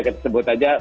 kita sebut aja